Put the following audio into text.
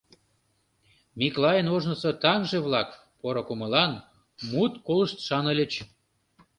Миклайын ожнысо таҥже-влак «поро кумылан, мут колыштшан» ыльыч.